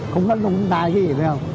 không có lung tai cái gì đâu